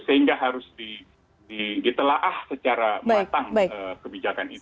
sehingga harus ditelaah secara matang kebijakan ini